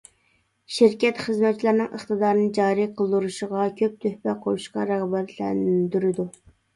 شىركەت خىزمەتچىلەرنىڭ ئىقتىدارىنى جارى قىلدۇرۇشىغا، كۆپ تۆھپە قوشۇشقا رىغبەتلەندۈرىدۇ.